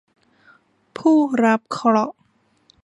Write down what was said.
ผู้รับเคราะห์